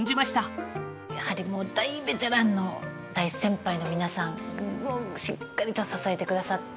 やはりもう大ベテランの大先輩の皆さんがしっかりと支えてくださって。